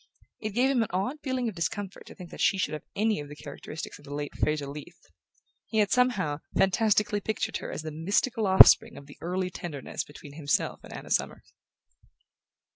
It gave him an odd feeling of discomfort to think that she should have any of the characteristics of the late Fraser Leath: he had, somehow, fantastically pictured her as the mystical offspring of the early tenderness between himself and Anna Summers.